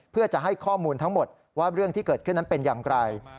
เพื่อจะให้ข้อมูลทั้งหมดว่าเรื่องที่เกิดขึ้นนั้นเป็นอย่างไร